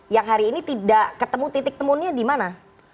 yang hari ini tidak ketemu titik temunya di mana